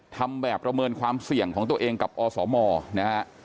ทำแบบประเมินความเสี่ยงของตัวเองกับอสมนะฮะ